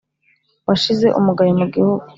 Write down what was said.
washize umugayo mu gihugu